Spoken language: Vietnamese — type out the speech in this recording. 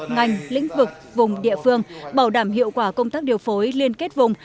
ngành lĩnh vực vùng địa phương bảo đảm hiệu quả công tác điều phối liên kết vùng